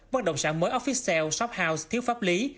bắt đồng sản mới office sale shop house thiếu pháp lý